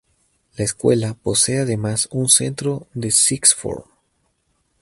La escuela posee además un centro de "sixth form".